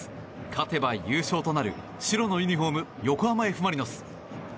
勝てば優勝となる白のユニホーム横浜Ｆ・マリノス。